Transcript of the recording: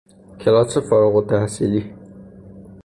کلاس فارغ التحصیلی